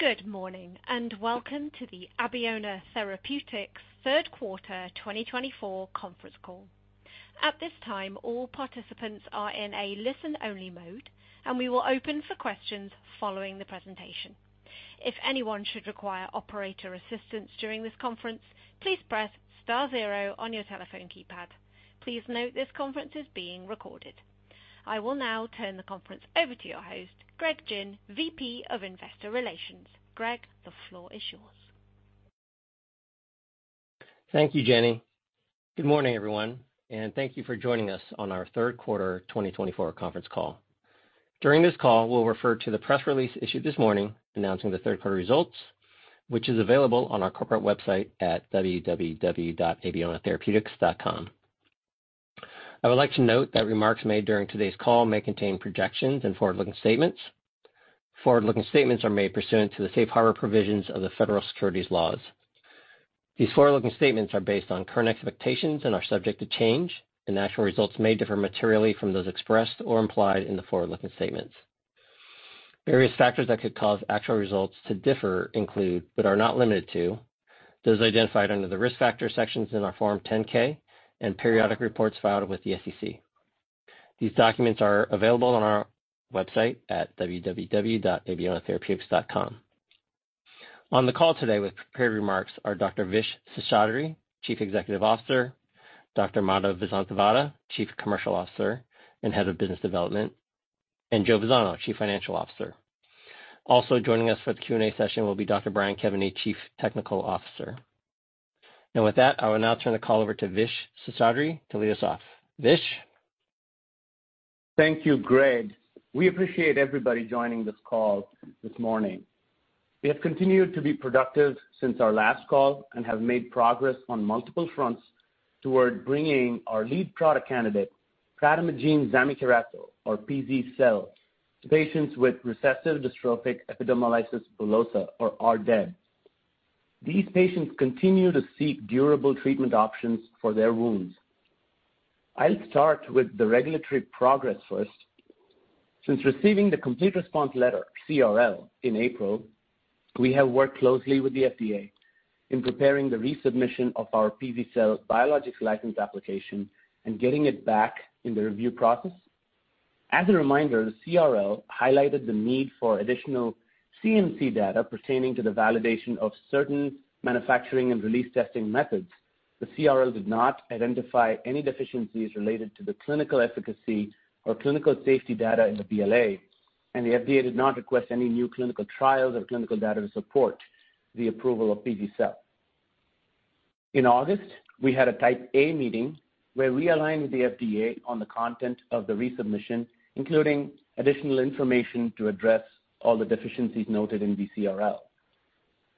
Good morning and welcome to the Abeona Therapeutics third quarter 2024 conference call. At this time, all participants are in a listen-only mode, and we will open for questions following the presentation. If anyone should require operator assistance during this conference, please press star zero on your telephone keypad. Please note this conference is being recorded. I will now turn the conference over to your host, Greg Gin, VP of Investor Relations. Greg, the floor is yours. Thank you, Jenny. Good morning, everyone, and thank you for joining us on our third quarter 2024 conference call. During this call, we'll refer to the press release issued this morning announcing the third quarter results, which is available on our corporate website at www.abeonatherapeutics.com. I would like to note that remarks made during today's call may contain projections and forward-looking statements. Forward-looking statements are made pursuant to the safe harbor provisions of the federal securities laws. These forward-looking statements are based on current expectations and are subject to change, and actual results may differ materially from those expressed or implied in the forward-looking statements. Various factors that could cause actual results to differ include, but are not limited to, those identified under the risk factor sections in our Form 10-K and periodic reports filed with the SEC. These documents are available on our website at www.abeonatherapeutics.com. On the call today with prepared remarks are Dr. Vishwas Seshadri, Chief Executive Officer, Dr. Madhav Vasanthavada, Chief Commercial Officer and Head of Business Development, and Joe Vazzano, Chief Financial Officer. Also joining us for the Q&A session will be Dr. Brian Kevany, Chief Technical Officer. With that, I will now turn the call over to Vishwas Seshadri to lead us off. Vish. Thank you, Greg. We appreciate everybody joining this call this morning. We have continued to be productive since our last call and have made progress on multiple fronts toward bringing our lead product candidate, prademagene zamikeracel, or pz-cel, to patients with recessive dystrophic epidermolysis bullosa, or RDEB. These patients continue to seek durable treatment options for their wounds. I'll start with the regulatory progress first. Since receiving the Complete Response Letter, CRL, in April, we have worked closely with the FDA in preparing the resubmission of our pz-cel Biologics License Application and getting it back in the review process. As a reminder, the CRL highlighted the need for additional CMC data pertaining to the validation of certain manufacturing and release testing methods. The CRL did not identify any deficiencies related to the clinical efficacy or clinical safety data in the BLA, and the FDA did not request any new clinical trials or clinical data to support the approval of pz-cel. In August, we had a Type A meeting where we aligned with the FDA on the content of the resubmission, including additional information to address all the deficiencies noted in the CRL.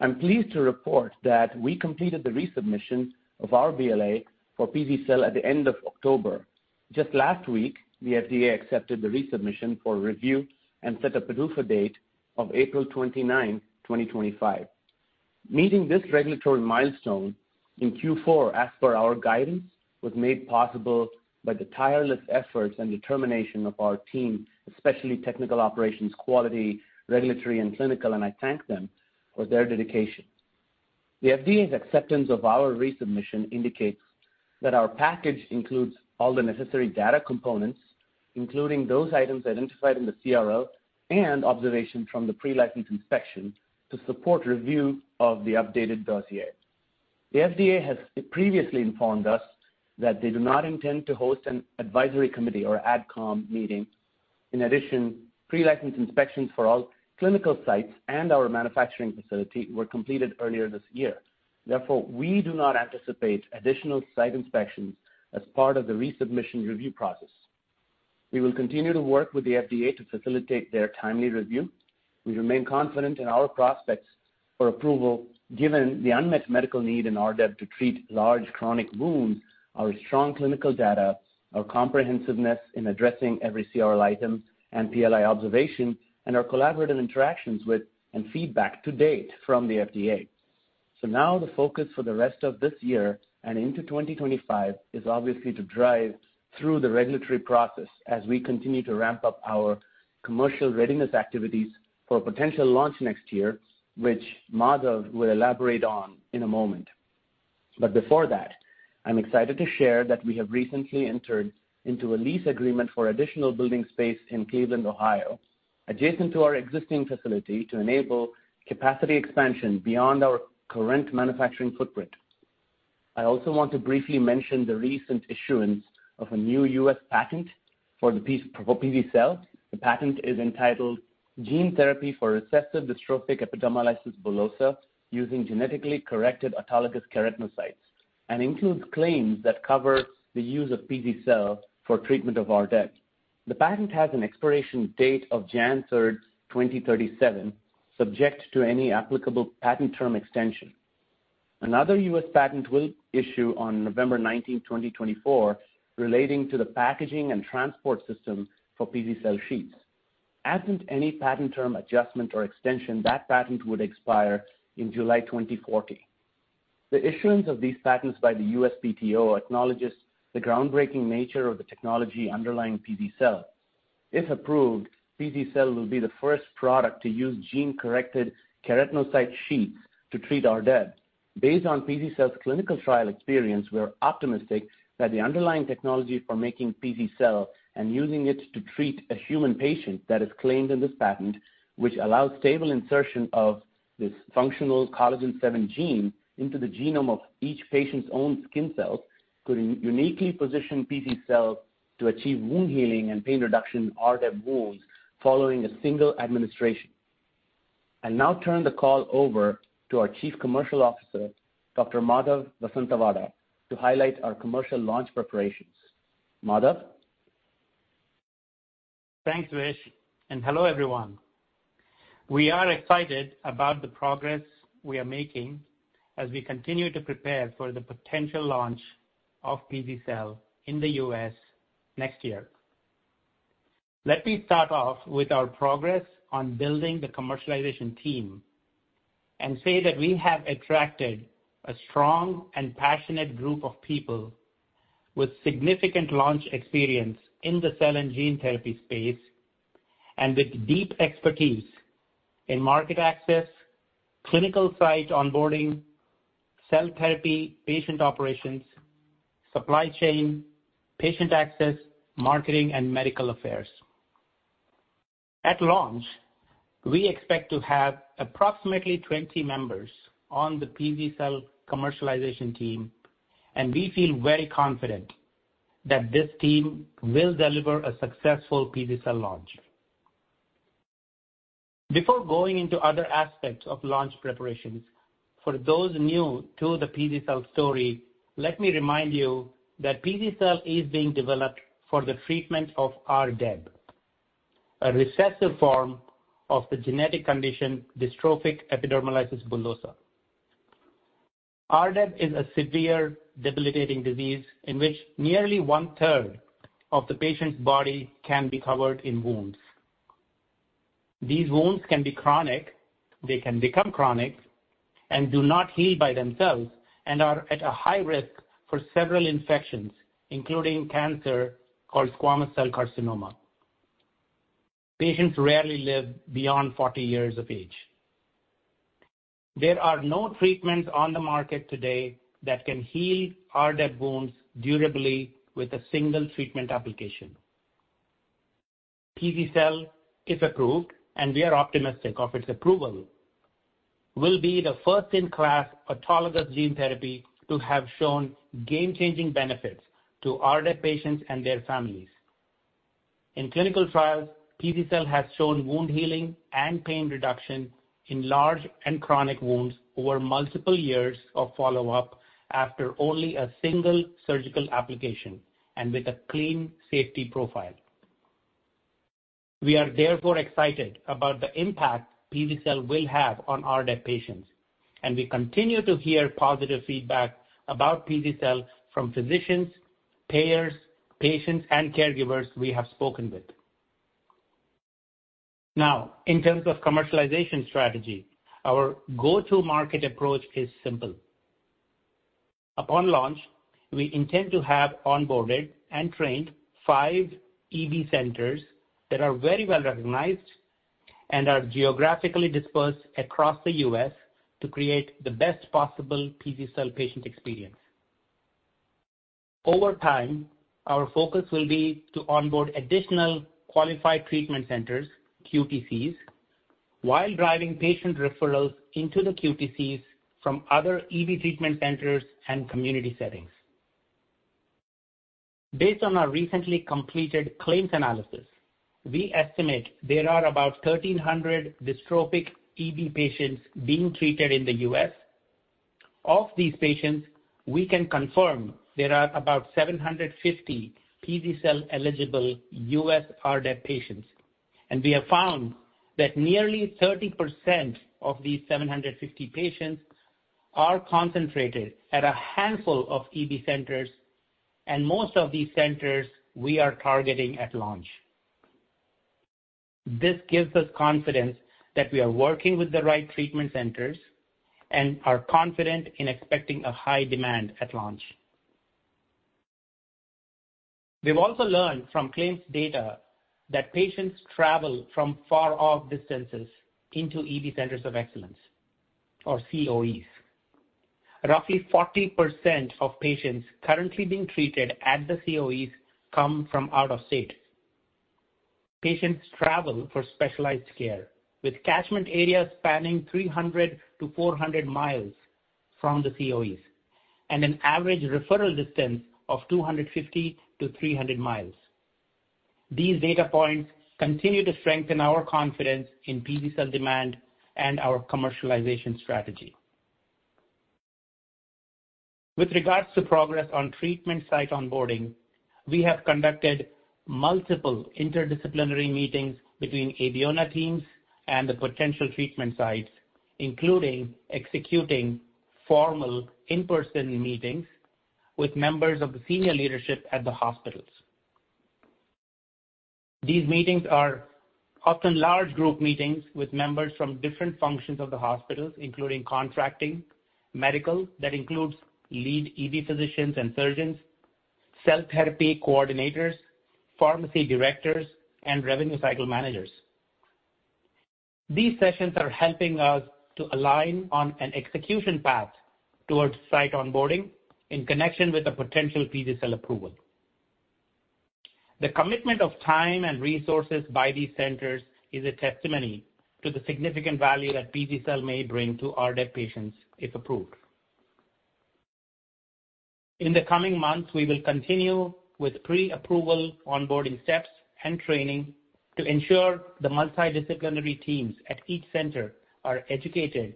I'm pleased to report that we completed the resubmission of our BLA for pz-cel at the end of October. Just last week, the FDA accepted the resubmission for review and set a PDUFA date of April 29, 2025. Meeting this regulatory milestone in Q4, as per our guidance, was made possible by the tireless efforts and determination of our team, especially technical operations, quality, regulatory, and clinical, and I thank them for their dedication. The FDA's acceptance of our resubmission indicates that our package includes all the necessary data components, including those items identified in the CRL and observations from the pre-license inspection to support review of the updated dossier. The FDA has previously informed us that they do not intend to host an advisory committee or ADCOM meeting. In addition, pre-license inspections for all clinical sites and our manufacturing facility were completed earlier this year. Therefore, we do not anticipate additional site inspections as part of the resubmission review process. We will continue to work with the FDA to facilitate their timely review. We remain confident in our prospects for approval, given the unmet medical need in RDEB to treat large chronic wounds, our strong clinical data, our comprehensiveness in addressing every CRL item and PLI observation, and our collaborative interactions with and feedback to date from the FDA. So now the focus for the rest of this year and into 2025 is obviously to drive through the regulatory process as we continue to ramp up our commercial readiness activities for a potential launch next year, which Madhav will elaborate on in a moment. But before that, I'm excited to share that we have recently entered into a lease agreement for additional building space in Cleveland, Ohio, adjacent to our existing facility to enable capacity expansion beyond our current manufacturing footprint. I also want to briefly mention the recent issuance of a new U.S. patent for pz-cel. The patent is entitled Gene Therapy for Recessive Dystrophic Epidermolysis Bullosa using Genetically Corrected Autologous Keratinocytes and includes claims that cover the use of pz-cell for treatment of RDEB. The patent has an expiration date of January 3, 2037, subject to any applicable patent term extension. Another U.S. Patent will issue on November 19, 2024, relating to the packaging and transport system for pz-cel sheets. Absent any patent term adjustment or extension, that patent would expire in July 2040. The issuance of these patents by the USPTO acknowledges the groundbreaking nature of the technology underlying pz-cel. If approved, pz-cel will be the first product to use gene-corrected keratinocyte sheets to treat RDEB. Based on pz-cel's clinical trial experience, we are optimistic that the underlying technology for making pz-cel and using it to treat a human patient that is claimed in this patent, which allows stable insertion of this functional collagen seven gene into the genome of each patient's own skin cells, could uniquely position pz-cel to achieve wound healing and pain reduction RDEB wounds following a single administration. I'll now turn the call over to our Chief Commercial Officer, Dr. Madhav Vasanthavada, to highlight our commercial launch preparations. Madhav. Thanks, Vish, and hello, everyone. We are excited about the progress we are making as we continue to prepare for the potential launch of pz-cel in the U.S. next year. Let me start off with our progress on building the commercialization team and say that we have attracted a strong and passionate group of people with significant launch experience in the cell and gene therapy space and with deep expertise in market access, clinical site onboarding, cell therapy, patient operations, supply chain, patient access, marketing, and medical affairs. At launch, we expect to have approximately 20 members on the pz-cel commercialization team, and we feel very confident that this team will deliver a successful pz-cel launch. Before going into other aspects of launch preparations, for those new to the pz-cel story, let me remind you that pz-cel is being developed for the treatment of RDEB, a recessive form of the genetic condition dystrophic epidermolysis bullosa. RDEB is a severe debilitating disease in which nearly one-third of the patient's body can be covered in wounds. These wounds can be chronic, they can become chronic, and do not heal by themselves, and are at a high risk for several infections, including cancer called squamous cell carcinoma. Patients rarely live beyond 40 years of age. There are no treatments on the market today that can heal RDEB wounds durably with a single treatment application. Pz-cel, if approved, and we are optimistic of its approval, will be the first-in-class autologous gene therapy to have shown game-changing benefits to RDEB patients and their families. In clinical trials, pz-cel has shown wound healing and pain reduction in large and chronic wounds over multiple years of follow-up after only a single surgical application and with a clean safety profile. We are therefore excited about the impact pz-cel will have on RDEB patients, and we continue to hear positive feedback about pz-cel from physicians, payers, patients, and caregivers we have spoken with. Now, in terms of commercialization strategy, our go-to-market approach is simple. Upon launch, we intend to have onboarded and trained five EB centers that are very well recognized and are geographically dispersed across the U.S. to create the best possible pz-cel patient experience. Over time, our focus will be to onboard additional qualified treatment centers, QTCs, while driving patient referrals into the QTCs from other EB treatment centers and community settings. Based on our recently completed claims analysis, we estimate there are about 1,300 dystrophic EB patients being treated in the U.S. Of these patients, we can confirm there are about 750 pz-cel-eligible U.S. RDEB patients, and we have found that nearly 30% of these 750 patients are concentrated at a handful of EB centers, and most of these centers we are targeting at launch. This gives us confidence that we are working with the right treatment centers and are confident in expecting a high demand at launch. We've also learned from claims data that patients travel from far-off distances into EB centers of excellence, or COEs. Roughly 40% of patients currently being treated at the COEs come from out of state. Patients travel for specialized care with catchment areas spanning 300-400 miles from the COEs and an average referral distance of 250-300 miles. These data points continue to strengthen our confidence in pz-cel demand and our commercialization strategy. With regards to progress on treatment site onboarding, we have conducted multiple interdisciplinary meetings between Abeona teams and the potential treatment sites, including executing formal in-person meetings with members of the senior leadership at the hospitals. These meetings are often large group meetings with members from different functions of the hospitals, including contracting, medical that includes lead EB physicians and surgeons, cell therapy coordinators, pharmacy directors, and revenue cycle managers. These sessions are helping us to align on an execution path towards site onboarding in connection with the potential pz-cel approval. The commitment of time and resources by these centers is a testimony to the significant value that pz-cel may bring to RDEB patients if approved. In the coming months, we will continue with pre-approval onboarding steps and training to ensure the multidisciplinary teams at each center are educated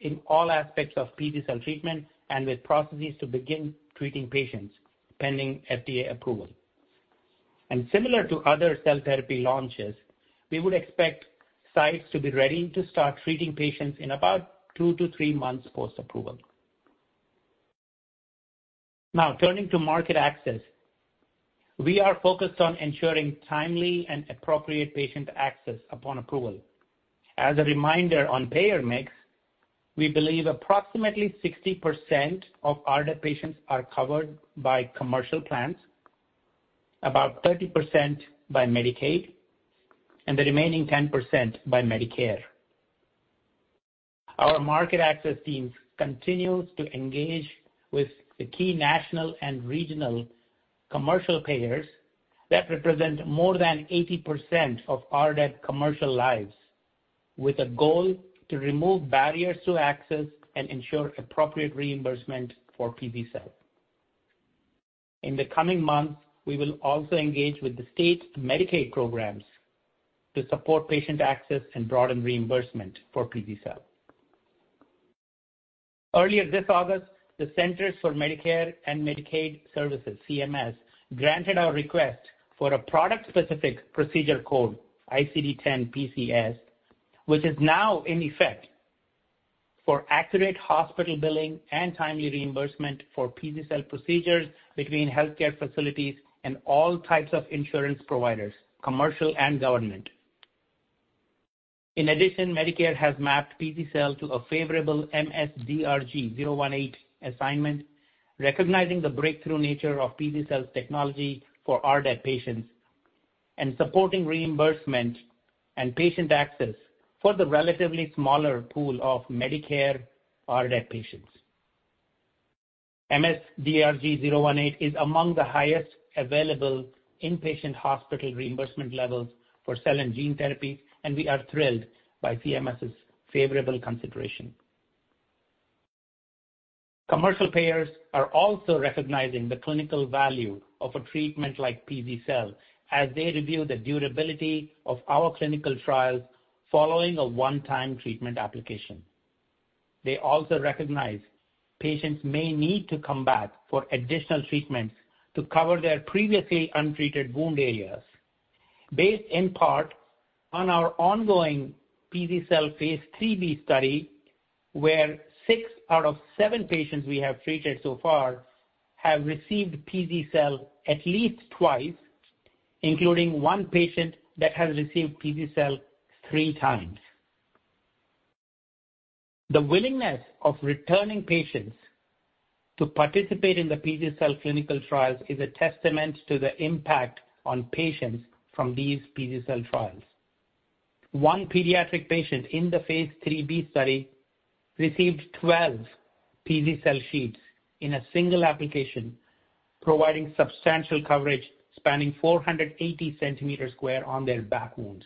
in all aspects of pz-cel treatment and with processes to begin treating patients pending FDA approval, and similar to other cell therapy launches, we would expect sites to be ready to start treating patients in about two to three months post-approval. Now, turning to market access, we are focused on ensuring timely and appropriate patient access upon approval. As a reminder on payer mix, we believe approximately 60% of RDEB patients are covered by commercial plans, about 30% by Medicaid, and the remaining 10% by Medicare. Our market access teams continue to engage with the key national and regional commercial payers that represent more than 80% of RDEB commercial lives, with a goal to remove barriers to access and ensure appropriate reimbursement for pz-cel. In the coming months, we will also engage with the state Medicaid programs to support patient access and broaden reimbursement for pz-cel. Earlier this August, the Centers for Medicare and Medicaid Services, CMS, granted our request for a product-specific procedure code, ICD-10-PCS, which is now in effect for accurate hospital billing and timely reimbursement for pz-cel procedures between healthcare facilities and all types of insurance providers, commercial and government. In addition, Medicare has mapped pz-cel to a favorable MS-DRG 018 assignment, recognizing the breakthrough nature of pz-cel's technology for RDEB patients reimbursement and patient access for the relatively smaller pool of Medicare RDEB patients. MS-DRG 018 is among the highest available inpatient hospital reimbursement levels for cell and gene therapies, and we are thrilled by CMS's favorable consideration. Commercial payers are also recognizing the clinical value of a treatment like pz-cel as they review the durability of our clinical trials following a one-time treatment application. They also recognize patients may need to come back for additional treatments to cover their previously untreated wound areas, based in part on our ongoing pz-cel phase 3B study, where six out of seven patients we have treated so far have received pz-cel at least twice, including one patient that has received pz-cel three times. The willingness of returning patients to participate in the pz-cel clinical trials is a testament to the impact on patients from these pz-cel trials. One pediatric patient in the phase 3B study received 12 pz-cel sheets in a single application, providing substantial coverage spanning 480 square centimeters on their back wounds.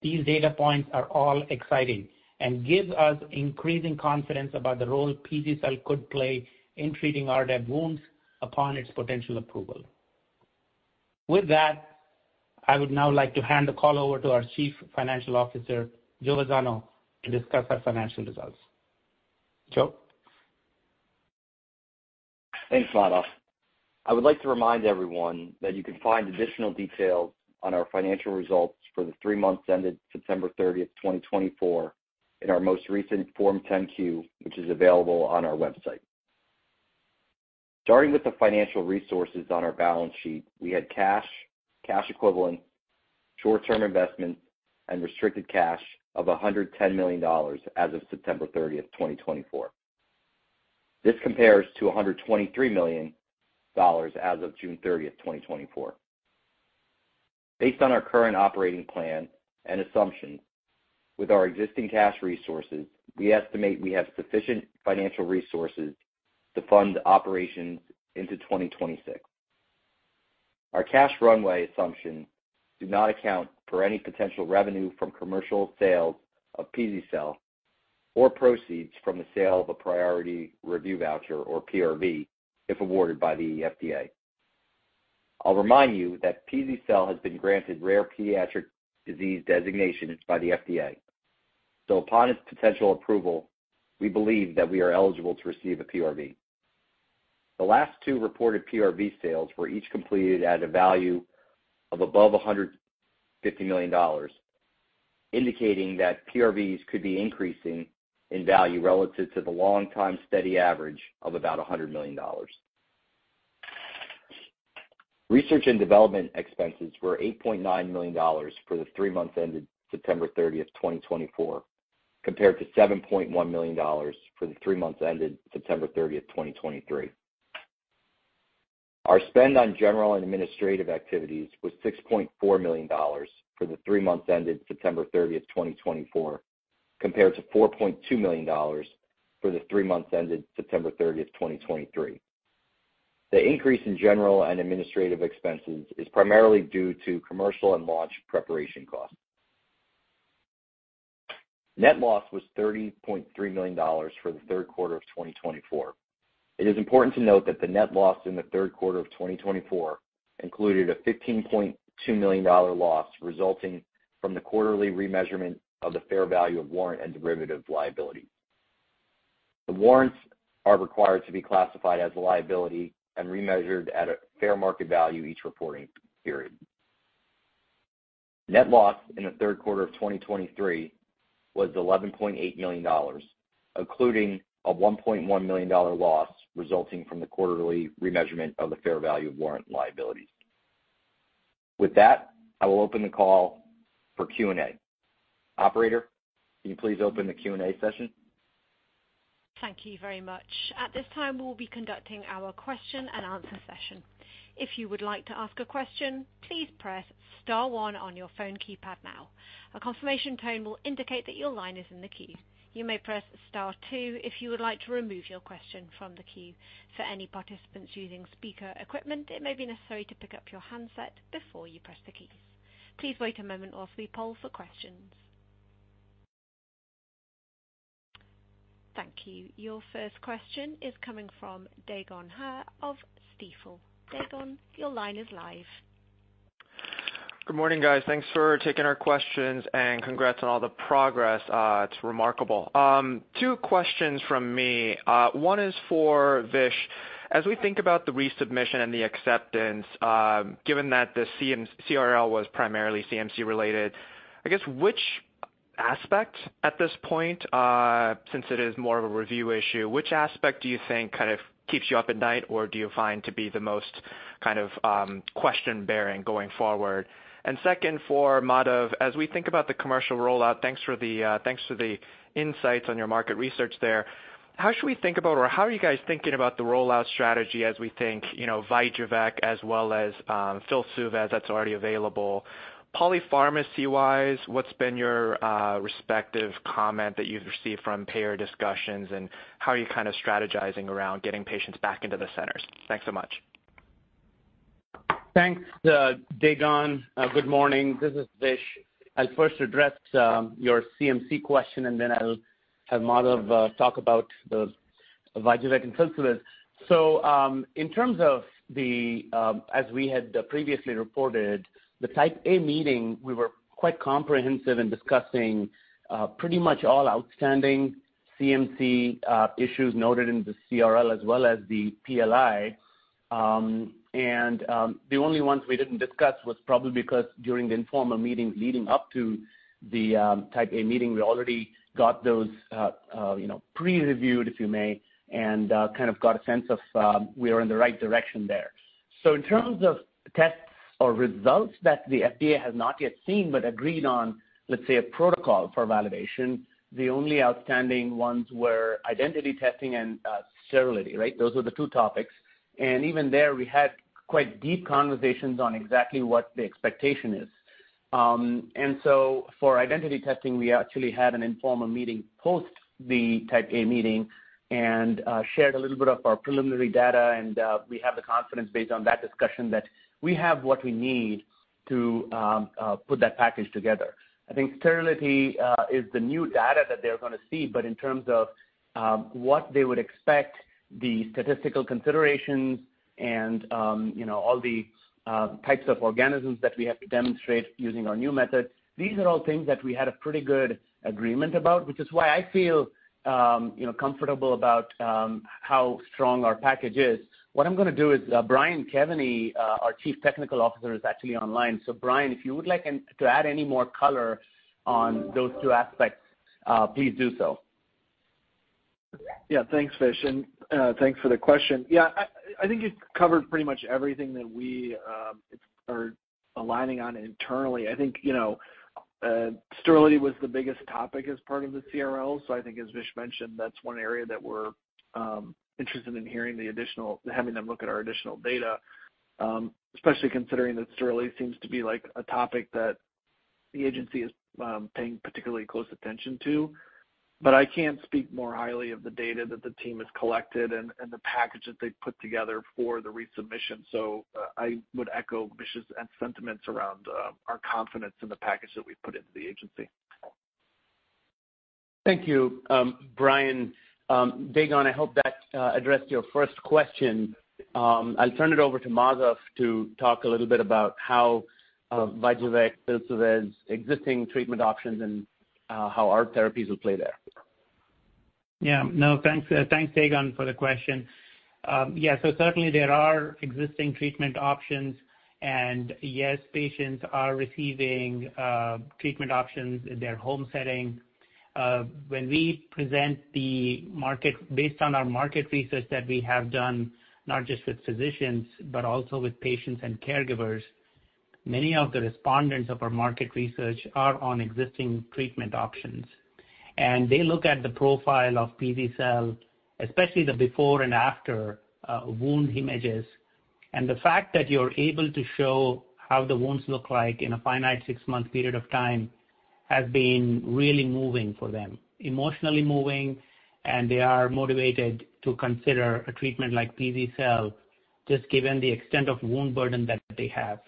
These data points are all exciting and give us increasing confidence about the role pz-cel could play in treating RDEB wounds upon its potential approval. With that, I would now like to hand the call over to our Chief Financial Officer, Joe Vazzano, to discuss our financial results. Joe? Thanks, Madhav. I would like to remind everyone that you can find additional details on our financial results for the three months ended September 30, 2024, in our most recent Form 10-Q, which is available on our website. Starting with the financial resources on our balance sheet, we had cash, cash equivalents, short-term investments, and restricted cash of $110 million as of September 30, 2024. This compares to $123 million as of June 30, 2024. Based on our current operating plan and assumptions, with our existing cash resources, we estimate we have sufficient financial resources to fund operations into 2026. Our cash runway assumptions do not account for any potential revenue from commercial sales of pz-cel or proceeds from the sale of a priority review voucher, or PRV, if awarded by the FDA. I'll remind you that pz-cel has been granted rare pediatric disease designations by the FDA, so upon its potential approval, we believe that we are eligible to receive a PRV. The last two reported PRV sales were each completed at a value of above $150 million, indicating that PRVs could be increasing in value relative to the long-time steady average of about $100 million. Research and development expenses were $8.9 million for the three months ended September 30, 2024, compared to $7.1 million for the three months ended September 30, 2023. Our spend on general and administrative activities was $6.4 million for the three months ended September 30, 2024, compared to $4.2 million for the three months ended September 30, 2023. The increase in general and administrative expenses is primarily due to commercial and launch preparation costs. Net loss was $30.3 million for the third quarter of 2024. It is important to note that the net loss in the third quarter of 2024 included a $15.2 million loss resulting from the quarterly remeasurement of the fair value of warrant and derivative liabilities. The warrants are required to be classified as a liability and remeasured at a fair market value each reporting period. Net loss in the third quarter of 2023 was $11.8 million, including a $1.1 million loss resulting from the quarterly remeasurement of the fair value of warrant liabilities. With that, I will open the call for Q&A. Operator, can you please open the Q&A session? Thank you very much. At this time, we'll be conducting our question and answer session. If you would like to ask a question, please press star one on your phone keypad now. A confirmation tone will indicate that your line is in the queue. You may press star two if you would like to remove your question from the queue. For any participants using speaker equipment, it may be necessary to pick up your handset before you press the keys. Please wait a moment while we poll for questions. Thank you. Your first question is coming from Dae Gon Ha of Stifel. Dae Gon, your line is live. Good morning, guys. Thanks for taking our questions and congrats on all the progress. It's remarkable. Two questions from me. One is for Vish. As we think about the resubmission and the acceptance, given that the CRL was primarily CMC-related, I guess which aspect at this point, since it is more of a review issue, which aspect do you think kind of keeps you up at night or do you find to be the most kind of question-bearing going forward? And second, for Madhav, as we think about the commercial rollout, thanks for the insights on your market research there. How should we think about, or how are you guys thinking about the rollout strategy as we think Vyjuvek as well as Filsuvez that's already available? Polypharmacy-wise, what's been your respective comment that you've received from payer discussions, and how are you kind of strategizing around getting patients back into the centers? Thanks so much. Dae Gon Ha. Good morning. This is Vish. I'll first address your CMC question, and then I'll have Madhav talk about the Vyjuvek and Filsuvez, so in terms of the, as we had previously reported, the Type A meeting, we were quite comprehensive in discussing pretty much all outstanding CMC issues noted in the CRL as well as the PLI, and the only ones we didn't discuss was probably because during the informal meetings leading up to the Type A meeting, we already got those pre-reviewed, if you may, and kind of got a sense of we were in the right direction there, so in terms of tests or results that the FDA has not yet seen but agreed on, let's say, a protocol for validation, the only outstanding ones were identity testing and sterility, right? Those were the two topics. Even there, we had quite deep conversations on exactly what the expectation is. So for identity testing, we actually had an informal meeting post the Type A meeting and shared a little bit of our preliminary data, and we have the confidence based on that discussion that we have what we need to put that package together. I think sterility is the new data that they're going to see, but in terms of what they would expect, the statistical considerations, and all the types of organisms that we have to demonstrate using our new method, these are all things that we had a pretty good agreement about, which is why I feel comfortable about how strong our package is. What I'm going to do is Brian Kevany, our Chief Technical Officer, is actually online. So Brian, if you would like to add any more color on those two aspects, please do so. Yeah, thanks, Vish. And thanks for the question. Yeah, I think you've covered pretty much everything that we are aligning on internally. I think sterility was the biggest topic as part of the CRL. So I think, as Vish mentioned, that's one area that we're interested in hearing the additional, having them look at our additional data, especially considering that sterility seems to be a topic that the agency is paying particularly close attention to. But I can't speak more highly of the data that the team has collected and the package that they've put together for the resubmission. So I would echo Vish's sentiments around our confidence in the package that we've put into the agency. Thank you. Brian, Dae Gon Ha, I hope that addressed your first question. I'll turn it over to Madhav to talk a little bit about how Vyjuvek, Filsuvez as existing treatment options and how our therapies will play there. Yeah. No, thanks. Thanks, Dae Gon, for the question. Yeah, so certainly there are existing treatment options, and yes, patients are receiving treatment options in their home setting. When we present the market, based on our market research that we have done, not just with physicians, but also with patients and caregivers, many of the respondents of our market research are on existing treatment options. And they look at the profile of pz-cel, especially the before and after wound images. And the fact that you're able to show how the wounds look like in a finite six-month period of time has been really moving for them, emotionally moving, and they are motivated to consider a treatment like pz-cel just given the extent of wound burden that they have.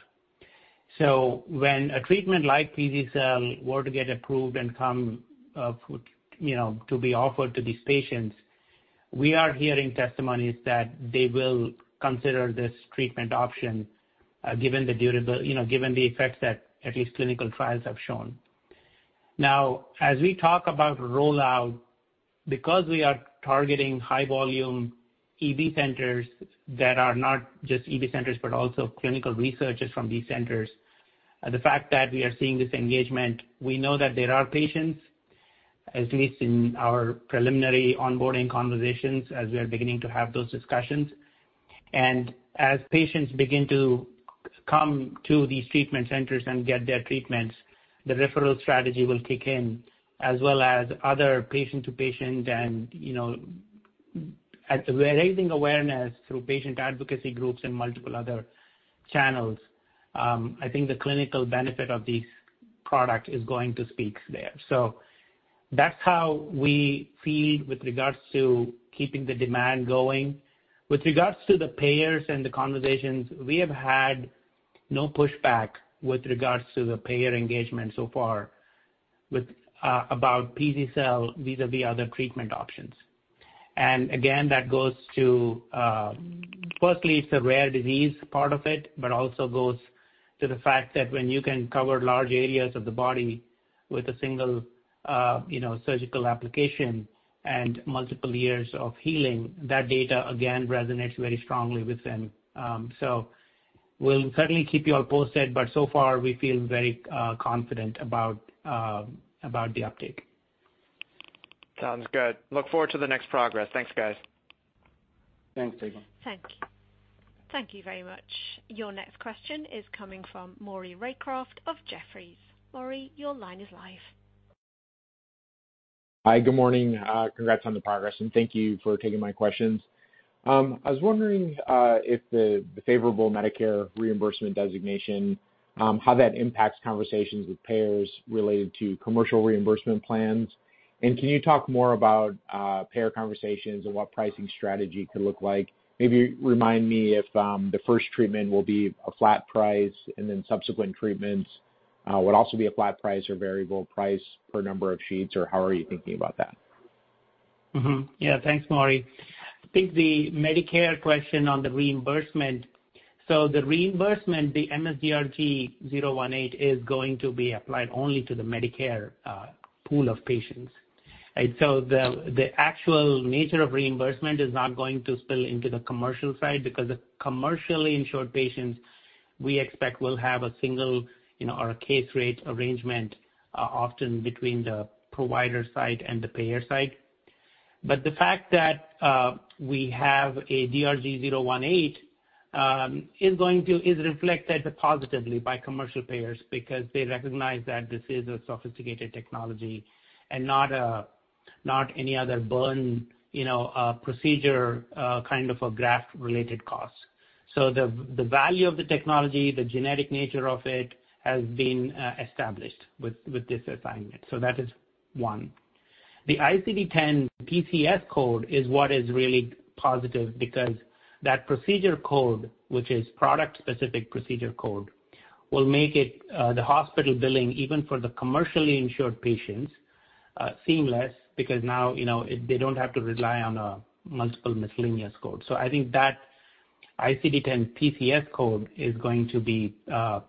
So when a treatment like pz-cel were to get approved and come to be offered to these patients, we are hearing testimonies that they will consider this treatment option given the durability, given the effects that at least clinical trials have shown. Now, as we talk about rollout, because we are targeting high-volume EB centers that are not just EB centers, but also clinical researchers from these centers, the fact that we are seeing this engagement, we know that there are patients, at least in our preliminary onboarding conversations as we are beginning to have those discussions, and as patients begin to come to these treatment centers and get their treatments, the referral strategy will kick in, as well as other patient-to-patient and raising awareness through patient advocacy groups and multiple other channels. I think the clinical benefit of this product is going to speak there. So that's how we feel with regards to keeping the demand going. With regards to the payers and the conversations, we have had no pushback with regards to the payer engagement so far about pz-cel vis-à-vis other treatment options. And again, that goes to, firstly, it's a rare disease part of it, but also goes to the fact that when you can cover large areas of the body with a single surgical application and multiple years of healing, that data again resonates very strongly with them. So we'll certainly keep you all posted, but so far, we feel very confident about the uptake. Sounds good. Look forward to the next progress. Thanks, guys. Thanks, Dae Gon. Thank you. Thank you very much. Your next question is coming from Maury Raycroft of Jefferies. Maury, your line is live. Hi, good morning. Congrats on the progress, and thank you for taking my questions. I was wondering if the favorable Medicare reimbursement designation, how that impacts conversations with payers related to commercial reimbursement plans. And can you talk more about payer conversations and what pricing strategy could look like? Maybe remind me if the first treatment will be a flat price and then subsequent treatments would also be a flat price or variable price per number of sheets, or how are you thinking about that? Yeah, thanks, Maury. I think the Medicare question on the reimbursement. So the reimbursement, the MS-DRG 018, is going to be applied only to the Medicare pool of patients. And so the actual nature of reimbursement is not going to spill into the commercial side because the commercially insured patients, we expect will have a single or a case rate arrangement often between the provider side and the payer side. But the fact that we have a MS-DRG 018 is going to reflect that positively by commercial payers because they recognize that this is a sophisticated technology and not any other burn procedure kind of a graft-related cost. So the value of the technology, the genetic nature of it has been established with this assignment. So that is one. The ICD-10-PCS code is what is really positive because that procedure code, which is product-specific procedure code, will make the hospital billing, even for the commercially insured patients, seamless because now they don't have to rely on a multiple miscellaneous code. So I think that ICD-10-PCS code is going to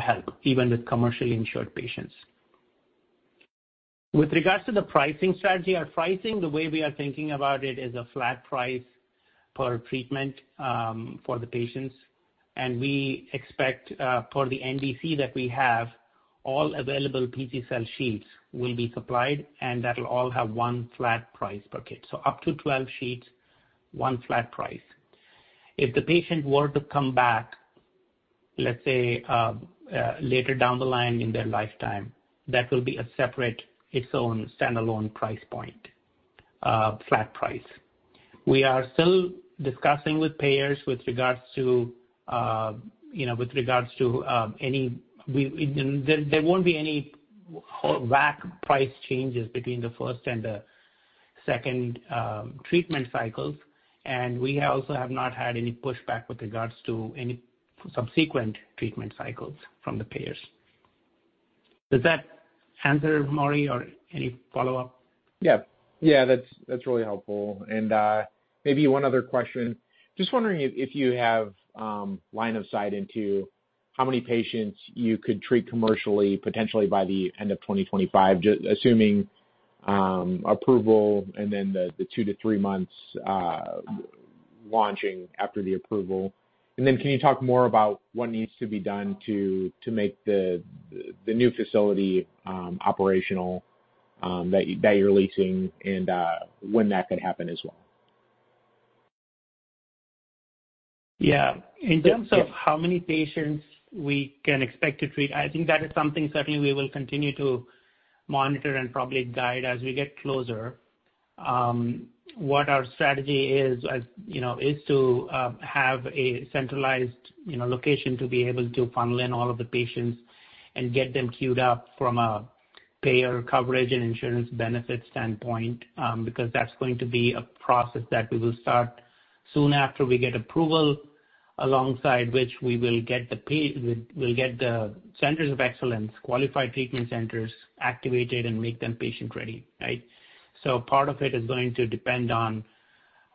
help even with commercially insured patients. With regards to the pricing strategy, our pricing, the way we are thinking about it is a flat price per treatment for the patients. And we expect for the NDC that we have, all available pz-cel sheets will be supplied, and that will all have one flat price per kit. So up to 12 sheets, one flat price. If the patient were to come back, let's say later down the line in their lifetime, that will be a separate, its own standalone price point, flat price. We are still discussing with payers with regards to any. There won't be any WAC price changes between the first and the second treatment cycles. And we also have not had any pushback with regards to any subsequent treatment cycles from the payers. Does that answer, Maury, or any follow-up? Yeah. Yeah, that's really helpful. And maybe one other question. Just wondering if you have line of sight into how many patients you could treat commercially potentially by the end of 2025, assuming approval and then the two to three months launching after the approval. And then can you talk more about what needs to be done to make the new facility operational that you're leasing and when that could happen as well? Yeah. In terms of how many patients we can expect to treat, I think that is something certainly we will continue to monitor and probably guide as we get closer. What our strategy is, is to have a centralized location to be able to funnel in all of the patients and get them queued up from a payer coverage and insurance benefit standpoint because that's going to be a process that we will start soon after we get approval, alongside which we will get the centers of excellence, qualified treatment centers activated and make them patient-ready, right? So part of it is going to depend on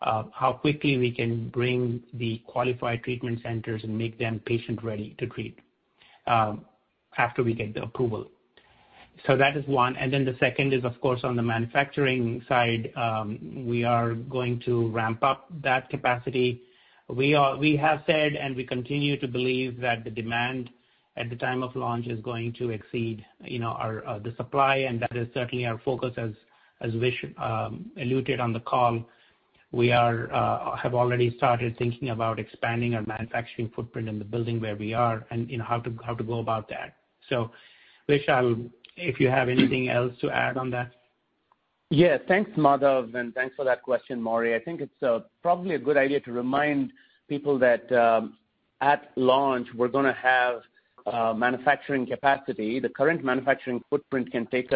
how quickly we can bring the qualified treatment centers and make them patient-ready to treat after we get the approval. So that is one. And then the second is, of course, on the manufacturing side, we are going to ramp up that capacity. We have said and we continue to believe that the demand at the time of launch is going to exceed the supply. And that is certainly our focus, as Vish alluded on the call. We have already started thinking about expanding our manufacturing footprint in the building where we are and how to go about that. So Vish, if you have anything else to add on that? Yeah, thanks, Madhav, and thanks for that question, Maury. I think it's probably a good idea to remind people that at launch, we're going to have manufacturing capacity. The current manufacturing footprint can take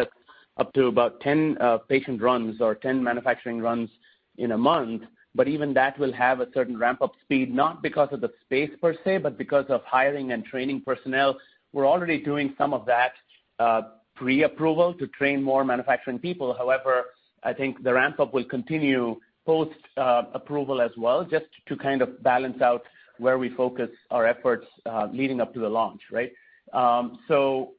up to about 10 patient runs or 10 manufacturing runs in a month. But even that will have a certain ramp-up speed, not because of the space per se, but because of hiring and training personnel. We're already doing some of that pre-approval to train more manufacturing people. However, I think the ramp-up will continue post-approval as well, just to kind of balance out where we focus our efforts leading up to the launch, right? So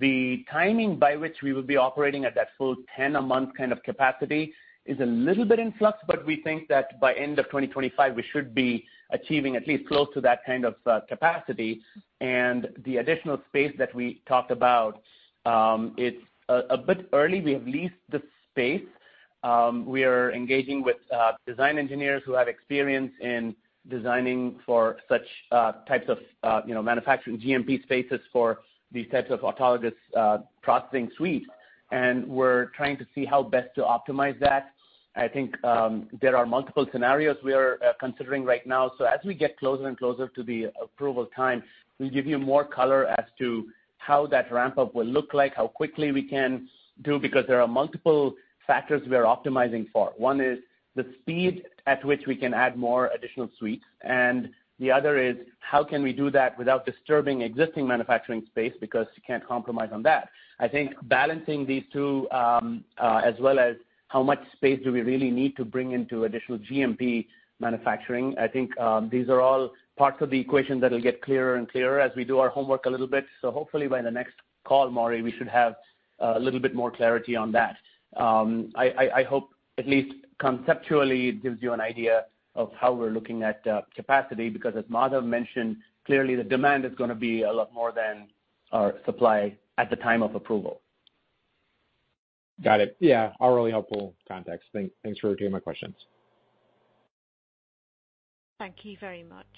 the timing by which we will be operating at that full 10-a-month kind of capacity is a little bit in flux, but we think that by end of 2025, we should be achieving at least close to that kind of capacity. And the additional space that we talked about, it's a bit early. We have leased the space. We are engaging with design engineers who have experience in designing for such types of manufacturing GMP spaces for these types of autologous processing suites. And we're trying to see how best to optimize that. I think there are multiple scenarios we are considering right now. So as we get closer and closer to the approval time, we'll give you more color as to how that ramp-up will look like, how quickly we can do, because there are multiple factors we are optimizing for. One is the speed at which we can add more additional suites, and the other is how can we do that without disturbing existing manufacturing space because you can't compromise on that. I think balancing these two, as well as how much space do we really need to bring into additional GMP manufacturing. I think these are all parts of the equation that will get clearer and clearer as we do our homework a little bit, so hopefully by the next call, Maury, we should have a little bit more clarity on that. I hope at least conceptually it gives you an idea of how we're looking at capacity because, as Madhav mentioned, clearly the demand is going to be a lot more than our supply at the time of approval. Got it. Yeah. All really helpful context. Thanks for taking my questions. Thank you very much.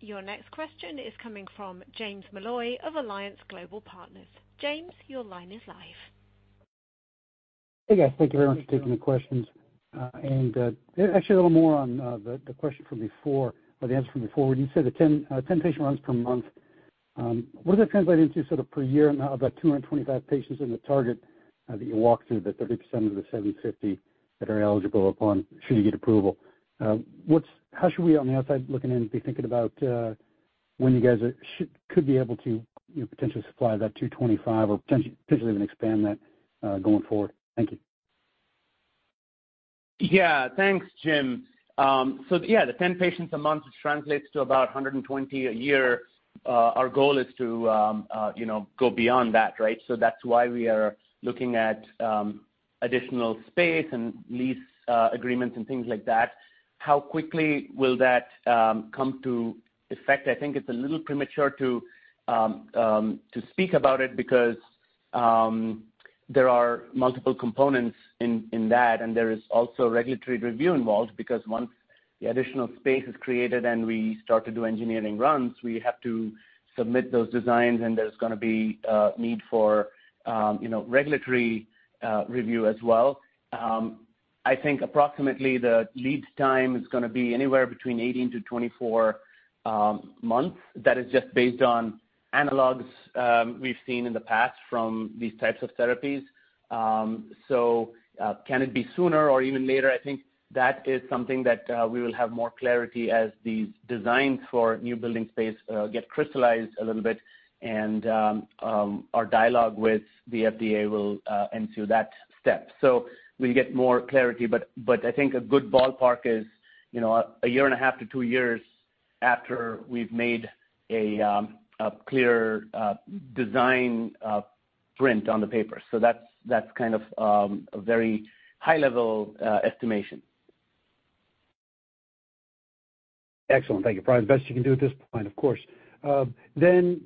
Your next question is coming from James Molloy of Alliance Global Partners. James, your line is live. Hey, guys. Thank you very much for taking the questions. And actually, a little more on the question from before or the answer from before. When you said the 10 patient runs per month, what does that translate into sort of per year and about 225 patients in the target that you walk through, the 30% of the 750 that are eligible upon should you get approval? How should we on the outside looking in be thinking about when you guys could be able to potentially supply that 225 or potentially even expand that going forward? Thank you. Yeah. Thanks, Jim. So yeah, the 10 patients a month translates to about 120 a year. Our goal is to go beyond that, right? So that's why we are looking at additional space and lease agreements and things like that. How quickly will that come to effect? I think it's a little premature to speak about it because there are multiple components in that, and there is also regulatory review involved because once the additional space is created and we start to do engineering runs, we have to submit those designs, and there's going to be a need for regulatory review as well. I think approximately the lead time is going to be anywhere between 18-24 months. That is just based on analogs we've seen in the past from these types of therapies. So can it be sooner or even later? I think that is something that we will have more clarity as these designs for new building space get crystallized a little bit, and our dialogue with the FDA will ensue at that step, so we'll get more clarity, but I think a good ballpark is a year and a half to two years after we've made a clear blueprint on the paper. So that's kind of a very high-level estimation. Excellent. Thank you. Probably the best you can do at this point, of course. Then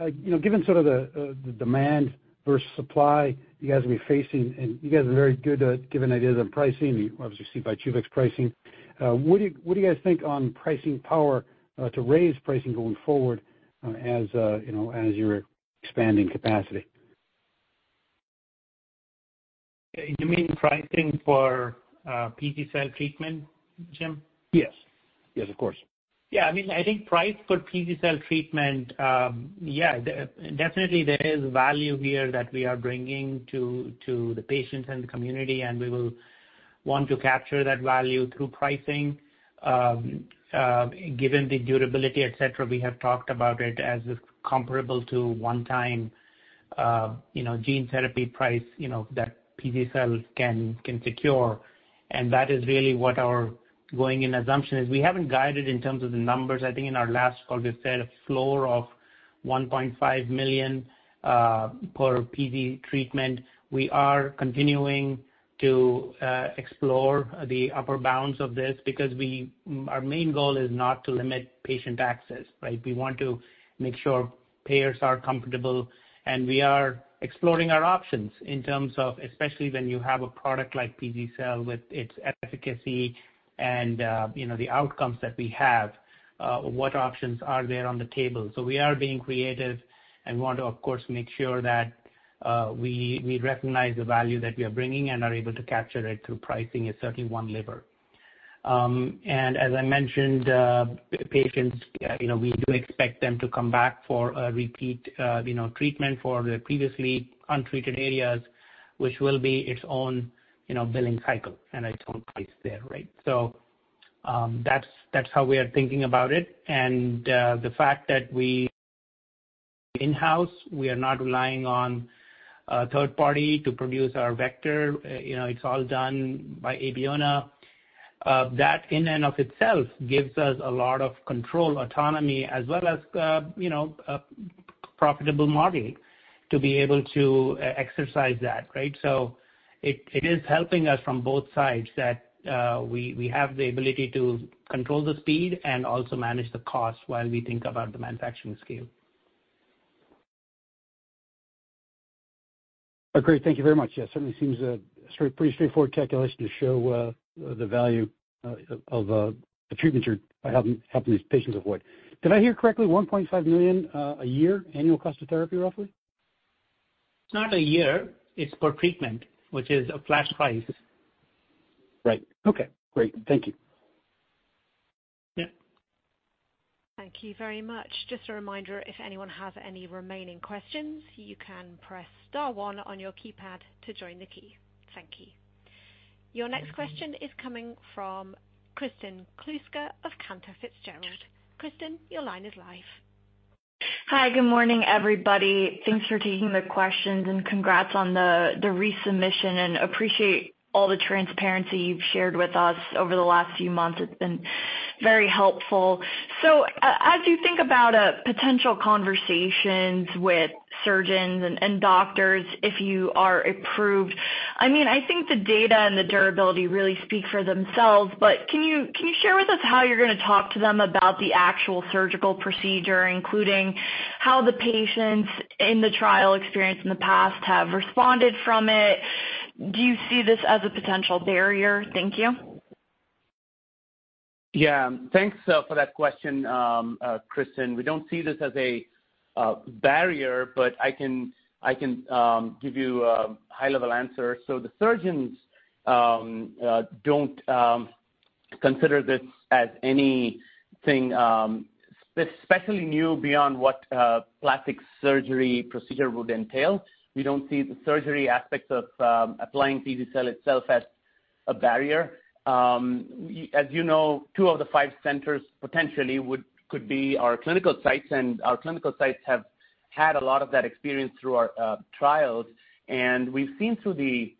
given sort of the demand versus supply you guys will be facing, and you guys are very good at giving ideas on pricing. You obviously see Vyjuvek's pricing. What do you guys think on pricing power to raise pricing going forward as you're expanding capacity? You mean pricing for pz-cel treatment, Jim? Yes. Yes, of course. Yeah. I mean, I think price for pz-cel treatment, yeah, definitely there is value here that we are bringing to the patients and the community, and we will want to capture that value through pricing. Given the durability, etc., we have talked about it as comparable to one-time gene therapy price that pz-cel can secure. And that is really what our going in assumption is. We haven't guided in terms of the numbers. I think in our last call, we've said a floor of $1.5 million per PZ treatment. We are continuing to explore the upper bounds of this because our main goal is not to limit patient access, right? We want to make sure payers are comfortable. We are exploring our options in terms of especially when you have a product like pz-cel with its efficacy and the outcomes that we have. What options are there on the table? So we are being creative, and we want to, of course, make sure that we recognize the value that we are bringing and are able to capture it through pricing. That is certainly one lever. And as I mentioned, patients, we do expect them to come back for a repeat treatment for the previously untreated areas, which will be its own billing cycle and its own price there, right? So that's how we are thinking about it. And the fact that we in-house, we are not relying on a third party to produce our vector. It's all done by Abeona. That in and of itself gives us a lot of control, autonomy, as well as a profitable model to be able to exercise that, right? So it is helping us from both sides that we have the ability to control the speed and also manage the cost while we think about the manufacturing scale. Great. Thank you very much. Yeah, certainly seems a pretty straightforward calculation to show the value of the treatment you're helping these patients avoid. Did I hear correctly? $1.5 million a year, annual cost of therapy, roughly? It's not a year. It's per treatment, which is a flash price. Right. Okay. Great. Thank you. Yeah. Thank you very much. Just a reminder, if anyone has any remaining questions, you can press star one on your keypad to join the queue. Thank you. Your next question is coming from Kristen Kluska of Cantor Fitzgerald. Kristen, your line is live. Hi, good morning, everybody. Thanks for taking the questions and congrats on the resubmission, and appreciate all the transparency you've shared with us over the last few months. It's been very helpful. So as you think about potential conversations with surgeons and doctors, if you are approved, I mean, I think the data and the durability really speak for themselves. But can you share with us how you're going to talk to them about the actual surgical procedure, including how the patients in the trial experienced in the past have responded from it? Do you see this as a potential barrier? Thank you. Yeah. Thanks for that question, Kristen. We don't see this as a barrier, but I can give you a high-level answer. So the surgeons don't consider this as anything especially new beyond what plastic surgery procedure would entail. We don't see the surgery aspects of applying pz-cel itself as a barrier. As you know, two of the five centers potentially could be our clinical sites, and our clinical sites have had a lot of that experience through our trials. And we've seen through the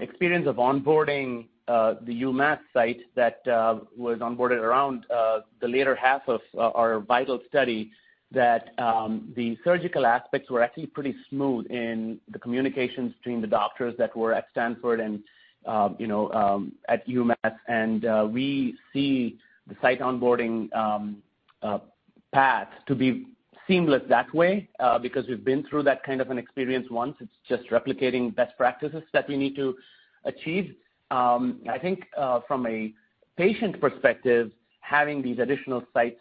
experience of onboarding the UMass site that was onboarded around the later half of our VIITAL study that the surgical aspects were actually pretty smooth in the communications between the doctors that were at Stanford and at UMass. And we see the site onboarding path to be seamless that way because we've been through that kind of an experience once. It's just replicating best practices that we need to achieve. I think from a patient perspective, having these additional sites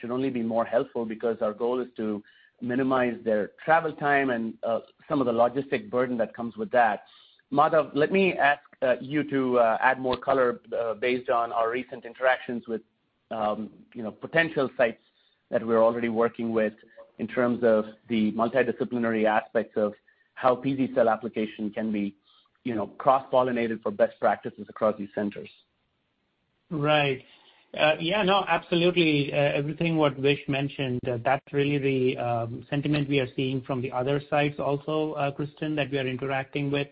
should only be more helpful because our goal is to minimize their travel time and some of the logistic burden that comes with that. Madhav, let me ask you to add more color based on our recent interactions with potential sites that we're already working with in terms of the multidisciplinary aspects of how pz-cel application can be cross-pollinated for best practices across these centers. Right. Yeah. No, absolutely. Everything what Vish mentioned, that's really the sentiment we are seeing from the other sites also, Kristen, that we are interacting with.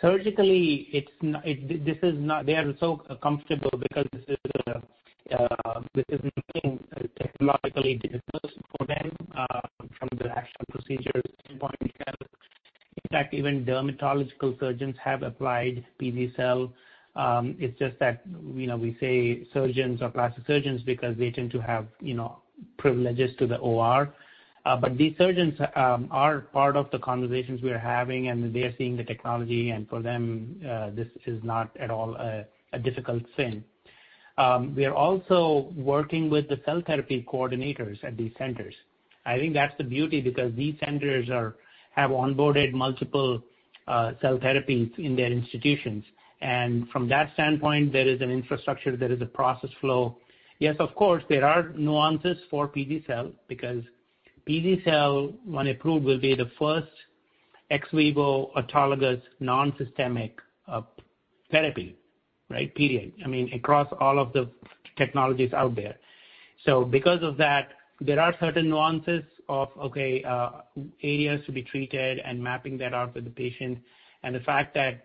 Surgically, they are so comfortable because this is nothing technologically difficult for them from the actual procedure standpoint. In fact, even dermatological surgeons have applied pz-cel. It's just that we say surgeons or plastic surgeons because they tend to have privileges to the OR. But these surgeons are part of the conversations we are having, and they are seeing the technology, and for them, this is not at all a difficult thing. We are also working with the cell therapy coordinators at these centers. I think that's the beauty because these centers have onboarded multiple cell therapies in their institutions. From that standpoint, there is an infrastructure, there is a process flow. Yes, of course, there are nuances for pz-cel because pz-cel, when approved, will be the first ex vivo autologous non-systemic therapy, right? Period. I mean, across all of the technologies out there. So because of that, there are certain nuances of, okay, areas to be treated and mapping that out with the patient. And the fact that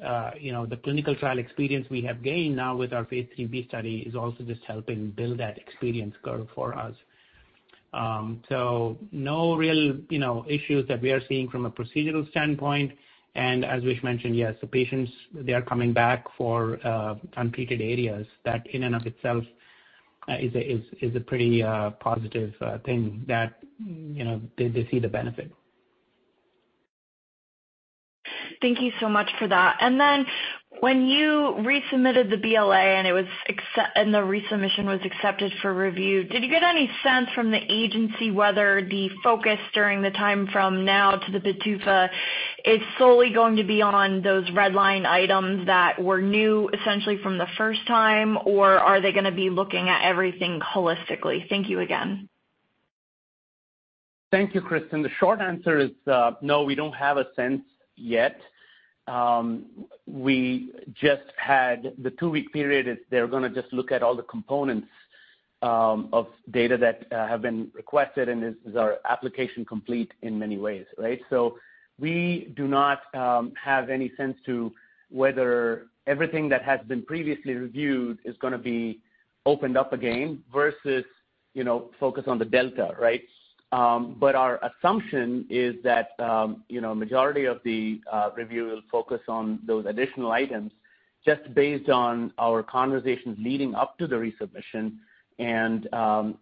the clinical trial experience we have gained now with our phase three B study is also just helping build that experience curve for us. So no real issues that we are seeing from a procedural standpoint. And as Vish mentioned, yes, the patients, they are coming back for untreated areas. That in and of itself is a pretty positive thing that they see the benefit. Thank you so much for that. And then when you resubmitted the BLA and the resubmission was accepted for review, did you get any sense from the agency whether the focus during the time from now to the PDUFA is solely going to be on those red line items that were new essentially from the first time, or are they going to be looking at everything holistically? Thank you again. Thank you, Kristen. The short answer is no, we don't have a sense yet. We just had the two-week period. They're going to just look at all the components of data that have been requested, and is our application complete in many ways, right? So we do not have any sense to whether everything that has been previously reviewed is going to be opened up again versus focus on the delta, right? But our assumption is that a majority of the review will focus on those additional items just based on our conversations leading up to the resubmission and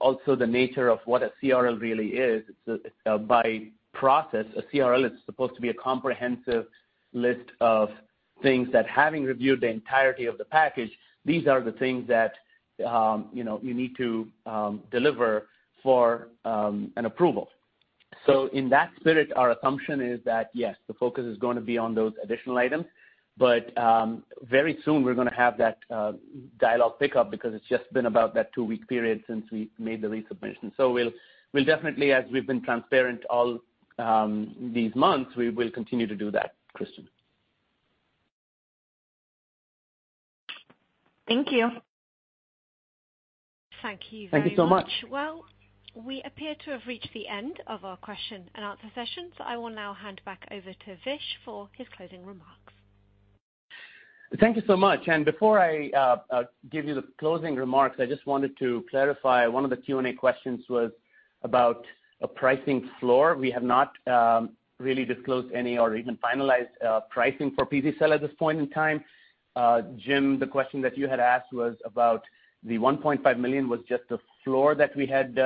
also the nature of what a CRL really is. By process, a CRL is supposed to be a comprehensive list of things that, having reviewed the entirety of the package, these are the things that you need to deliver for an approval. So in that spirit, our assumption is that, yes, the focus is going to be on those additional items. But very soon, we're going to have that dialogue pick up because it's just been about that two-week period since we made the resubmission. So we'll definitely, as we've been transparent all these months, we will continue to do that, Kristen. Thank you. Thank you so much. We appear to have reached the end of our question and answer session, so I will now hand back over to Vish for his closing remarks. Thank you so much. And before I give you the closing remarks, I just wanted to clarify one of the Q&A questions was about a pricing floor. We have not really disclosed any or even finalized pricing for pz-cel at this point in time. Jim, the question that you had asked was about the $1.5 million was just the floor that we had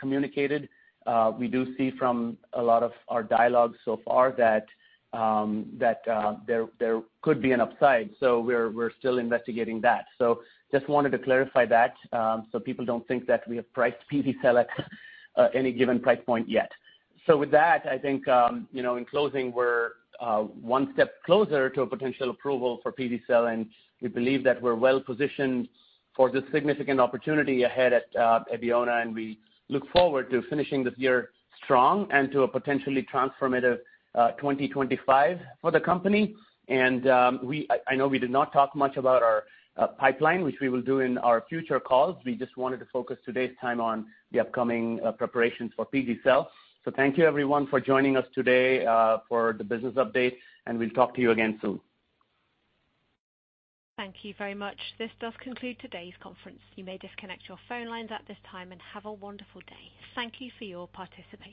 communicated. We do see from a lot of our dialogue so far that there could be an upside. So we're still investigating that. So just wanted to clarify that so people don't think that we have priced pz-cel at any given price point yet. So with that, I think in closing, we're one step closer to a potential approval for pz-cel, and we believe that we're well positioned for this significant opportunity ahead at Abeona, and we look forward to finishing this year strong and to a potentially transformative 2025 for the company. And I know we did not talk much about our pipeline, which we will do in our future calls. We just wanted to focus today's time on the upcoming preparations for pz-cel. So thank you, everyone, for joining us today for the business update, and we'll talk to you again soon. Thank you very much. This does conclude today's conference. You may disconnect your phone lines at this time and have a wonderful day. Thank you for your participation.